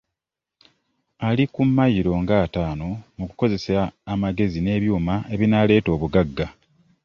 Ali ku mayiro nga ataano mu kukozesa amagezi n'ebyuma ebinaaleeta obugagga.